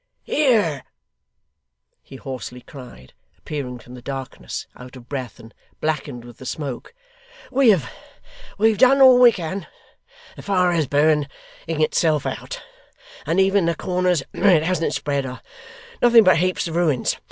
'Here!' he hoarsely cried, appearing from the darkness; out of breath, and blackened with the smoke. 'We have done all we can; the fire is burning itself out; and even the corners where it hasn't spread, are nothing but heaps of ruins.